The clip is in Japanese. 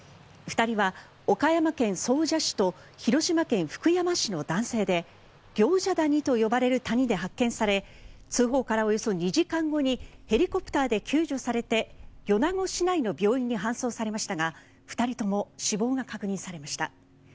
２人は岡山県総社市と広島県福山市の男性で行者谷と呼ばれる谷で発見され通報からおよそ２時間後にヘリコプターで救助されて米子市内の病院に搬送されましたが２人とも死亡が確認されました。